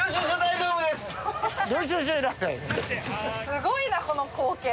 すごいなこの光景。